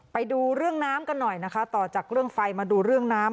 ไปดูเรื่องน้ำกันหน่อยนะคะต่อจากเรื่องไฟมาดูเรื่องน้ำ